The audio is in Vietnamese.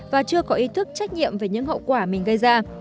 và chưa có ý thức trách nhiệm về những hậu quả mình gây ra